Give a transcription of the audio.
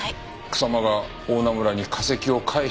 草間が大菜村に化石を返したという事か？